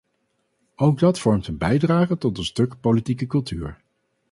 Ook dat vormt een bijdrage tot een stuk politieke cultuur.